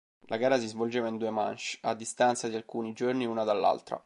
La gara si svolgeva in due manche, a distanza di alcuni giorni una dall'altra.